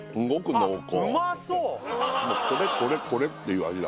もうこれこれこれっていう味だ